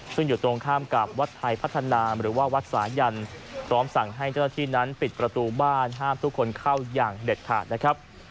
ซึ่งอยู่ตรงข้ามกับวัดไทยพัฒนาหรือว่าวัดสายันพร้อมสั่งให้เจ้าหน้าที่นั้นปิดประตูบ้านห้ามทุกคนเข้าอย่างเด็ดขาดนะครับ